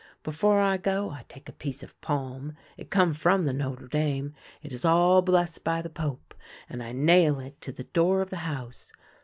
" Before I go I take a piece of palm — it come from the Notre Dame ; it is all bless by the Pope — and I nail it to the door of the house.